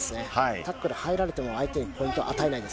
タックル入られても、相手にポイントを与えないです。